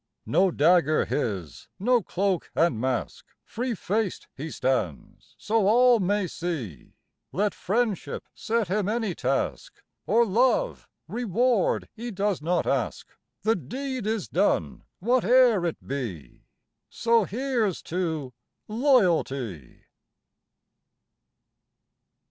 II. No dagger his, no cloak and mask, Free faced he stands so all may see; Let Friendship set him any task, Or Love reward he does not ask, The deed is done whate'er it be So here's to Loyalty.